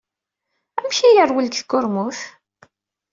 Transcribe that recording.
Amek ay yerwel seg tkurmut?